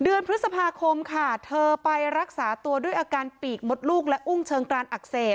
เดือนพฤษภาคมค่ะเธอไปรักษาตัวด้วยอาการปีกมดลูกและอุ้งเชิงกรานอักเสบ